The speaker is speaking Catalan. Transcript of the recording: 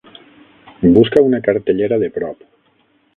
Busca una cartellera de prop.